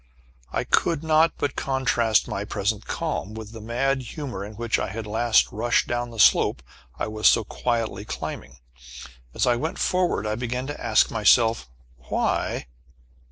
I could not but contrast my present calm with the mad humor in which I had last rushed down the slope I was so quietly climbing. As I went forward, I began to ask myself, "Why?"